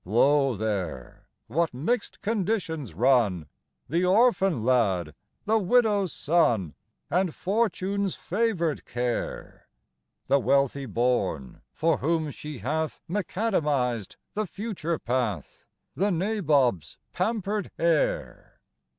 XI. Lo there what mix'd conditions run! The orphan lad; the widow's son; And Fortune's favor'd care The wealthy born, for whom she hath Mac Adamised the future path The Nabob's pamper'd heir!